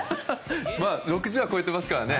６０は超えてますからね。